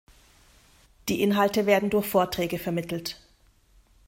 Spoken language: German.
Die Inhalte werden durch Vorträge vermittelt.